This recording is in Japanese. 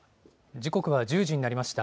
時刻は１０時になりました。